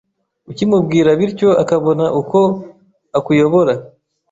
ukimubwira bityo akabona uko akuyobora.